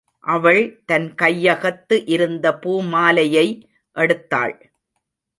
அவள் தன் கையகத்து இருந்த பூ மாலையை எடுத்தாள்.